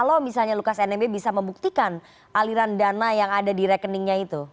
kalau misalnya lukas nmb bisa membuktikan aliran dana yang ada di rekeningnya itu